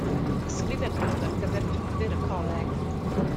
Ysgrifennodd ar gyfer papur y coleg.